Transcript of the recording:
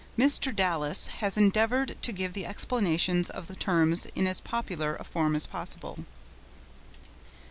Mr. Dallas has endeavoured to give the explanations of the terms in as popular a form as possible.